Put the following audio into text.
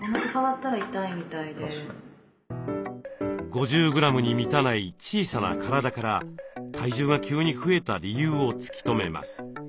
５０グラムに満たない小さな体から体重が急に増えた理由を突き止めます。